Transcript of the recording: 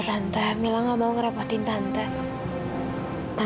tante tidak akan meminta maaf mila